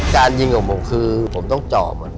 การยิงของผมคือผมต้องเจาะมัน